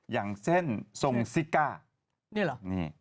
อย่างเช่นทรงซิก้า